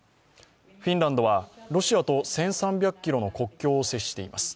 フィンランドは、ロシアと１３００ｋｍの国境を接しています。